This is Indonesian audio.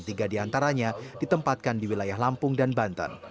tiga diantaranya ditempatkan di wilayah lampung dan banten